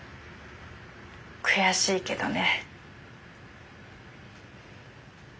悔しいけどね。